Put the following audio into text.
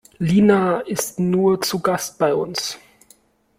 Lina ist nur zu Gast bei uns.